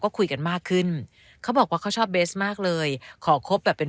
ก็คุยกันมากขึ้นเขาบอกว่าเขาชอบเบสมากเลยขอคบแบบเป็น